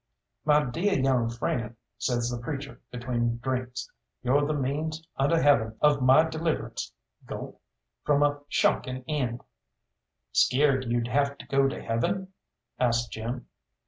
"My deah young friend," says the preacher between drinks, "you're the means under Heaven of my deliverance" gulp "from a shocking end." "Scared you'd have to go to heaven?" asked Jim.